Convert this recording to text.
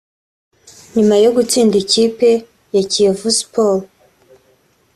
nyuma yo gutsinda ikipe ya Kiyovu Sports